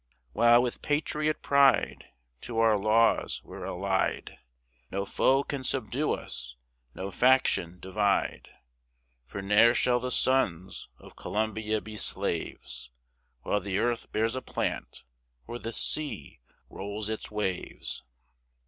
While, with patriot pride, To our laws we're allied, No foe can subdue us, no faction divide, For ne'er shall the sons of Columbia be slaves, While the earth bears a plant, or the sea rolls its waves.